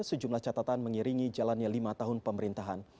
sejumlah catatan mengiringi jalannya lima tahun pemerintahan